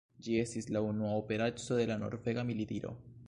Ĝi estis la unua operaco de la norvega militiro.